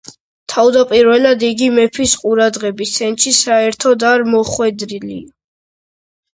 თავდაპირველად იგი მეფის ყურადღების ცენტრში საერთოდ არ მოხვედრილა.